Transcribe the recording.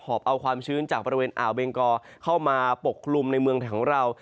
อบเอาความชื้นจากบริเวณอ่าวเบงกอเข้ามาปกคลุมในเมืองของเรา